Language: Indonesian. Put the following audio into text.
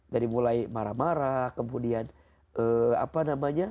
dari mulai marah marah kemudian apa namanya